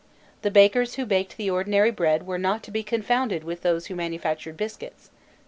The bakers who baked the ordinary bread were not to be confounded with those who manufactured biscuits.